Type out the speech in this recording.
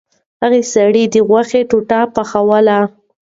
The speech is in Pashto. هغه سړي د غوښو ټوټې پخولې.